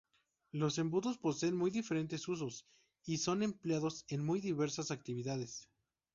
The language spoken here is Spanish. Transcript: Los embudos poseen muy diferentes usos y son empleados en muy diversas actividades.